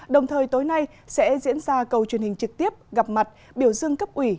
đồng thời tối nay sẽ diễn ra cầu truyền hình trực tiếp gặp mặt biểu dương cấp ủy